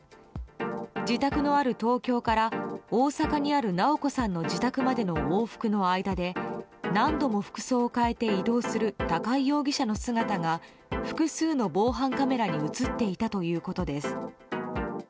自宅のある東京から大阪にある直子さんの自宅までの往復の間で何度も服装を変えて移動する高井容疑者の姿が複数の防犯カメラに映っていたということです。